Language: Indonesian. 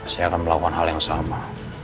saya akan melakukan hal yang sama